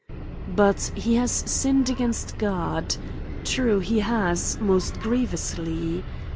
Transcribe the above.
But he has sinned against God ; true, he has, most grievously.